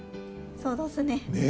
そうどすね。